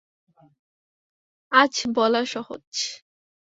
আজ বলা সহজ।